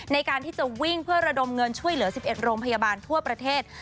ในการที่จะวิ่งเพื่อระดมเงินช่วยเหลือ๑๑โรงพยาบาลทั่วประเทศ